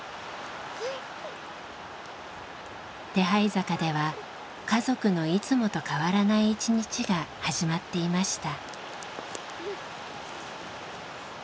手這坂では家族のいつもと変わらない一日が始まっていました。